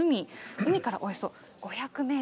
海からおよそ５００ｍ